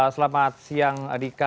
selamat siang mardika